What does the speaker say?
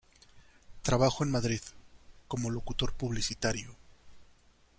Trabajó en Madrid, como locutor publicitario.